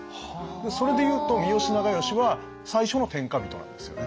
それでいうと三好長慶は最初の天下人なんですよね。